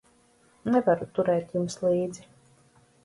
Nevaru turēt jums līdzi.